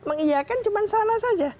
mengiyakan cuma sana saja